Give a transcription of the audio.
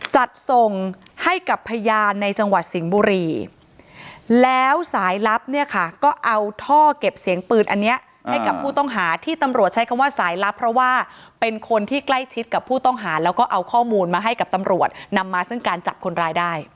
จัดส่งให้กับพยานในจังหวัดสิงห์บุรีแล้วสายลับเนี่ยค่ะก็เอาท่อเก็บเสียงปืนอันนี้ให้กับผู้ต้องหาที่ตำรวจใช้คำว่าสายลับเพราะว่าเป็นคนที่ใกล้ชิดกับผู้ต้องหาแล้วก็เอาข้อมูลมาให้กับตำรวจนำมาซึ่งการจับคนร้ายได้